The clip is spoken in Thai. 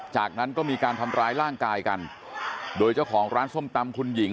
จากนั้นก็มีการทำร้ายร่างกายกันโดยเจ้าของร้านส้มตำคุณหญิง